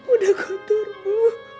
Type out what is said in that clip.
udah kotor ibu